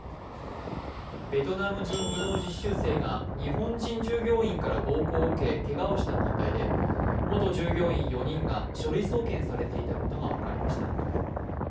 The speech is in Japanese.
ベトナム人技能実習生が日本人従業員から暴行を受けけがをした問題で、元従業員４人が書類送検されていたことが分かりました。